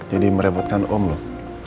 jadi merebutkan om loh